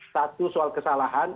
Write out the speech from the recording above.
satu soal kesalahan